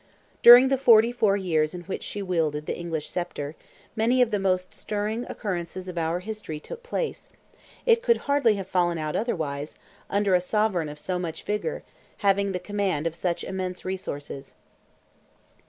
During the forty four years in which she wielded the English sceptre, many of the most stirring occurrences of our history took place; it could hardly have fallen out otherwise, under a sovereign of so much vigour, having the command of such immense resources.